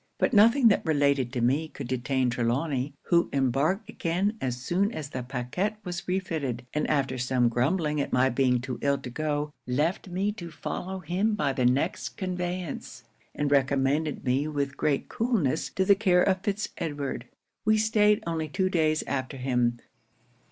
But nothing that related to me could detain Trelawny, who embarked again as soon as the pacquet was refitted, and after some grumbling at my being too ill to go, left me to follow him by the next conveyance, and recommended me with great coolness to the care of Fitz Edward. 'We staid only two days after him.